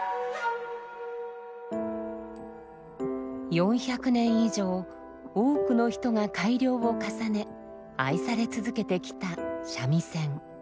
４００年以上多くの人が改良を重ね愛され続けてきた三味線。